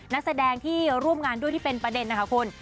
นักแสดงที่ร่วมงานด้วยที่เป็นประเด็นนะคะคุณ